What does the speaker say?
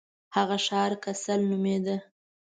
هغه ښار کسل نومیده.